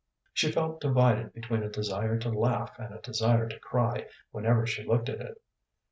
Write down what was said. She felt divided between a desire to laugh and a desire to cry whenever she looked at it.